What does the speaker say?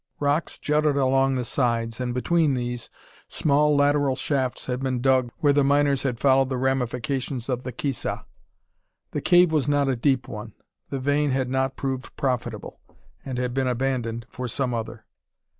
Rocks jutted along the sides, and between these, small lateral shafts had been dug, where the miners had followed the ramifications of the "quixa." The cave was not a deep one; the vein had not proved profitable, and had been abandoned for some other.